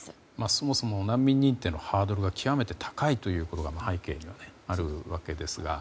そもそも難民認定のハードルが極めて高いということが背景にはあるわけですが。